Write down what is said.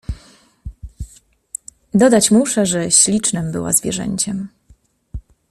"Dodać muszę, że ślicznem była zwierzęciem."